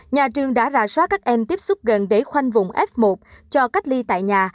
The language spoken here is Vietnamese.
nhà trường đã rà soát các em tiếp xúc gần để khoanh vùng f một cho cách ly tại nhà